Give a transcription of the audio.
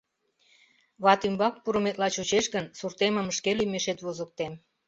Ватӱмбак пурыметла чучеш гын, суртемым шке лӱмешет возыктем.